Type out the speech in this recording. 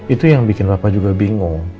itu yang bikin bapak juga bingung